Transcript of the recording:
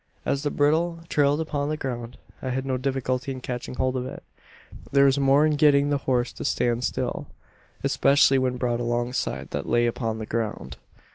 "As the bridle trailed upon the ground, I had no difficulty in catching hold of it. There was more in getting the horse to stand still especially when brought alongside what lay upon the ground.